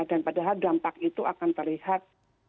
dan padahal dampak itu akan terlihat